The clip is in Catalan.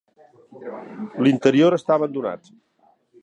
L'interior està abandonat.